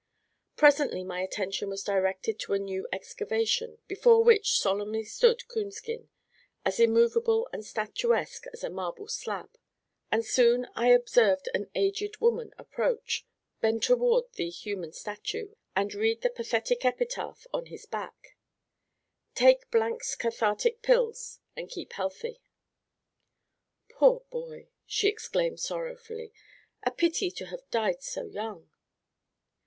Presently my attention was directed to a new excavation, before which solemnly stood Coonskin, as immovable and statuesque as a marble slab; and soon I observed an aged woman approach, bend toward the human statue, and read the pathetic epitaph on his back: "Take Blank's cathartic pills and keep healthy." "Poor boy!" she exclaimed, sorrowfully, "a pity to have died so young."